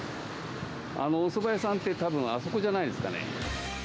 おそば屋さんって、たぶん、あそこじゃないですかね？